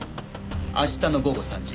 「明日の午後３時。